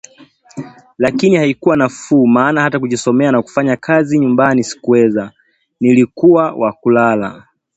Lakini haikuwa nafuu maana hata kujisomea na kufanya kazi za nyumbani sikuweza, nilikuwa wa kulala